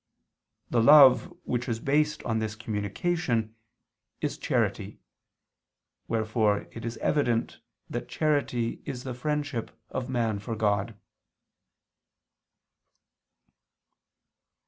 The love which is based on this communication, is charity: wherefore it is evident that charity is the friendship of man for God.